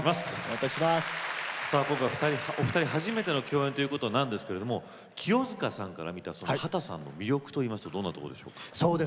今回、お二人初めての共演ということなんですけど清塚さんから見た秦さんの魅力っていうところはどんなとこでしょうか？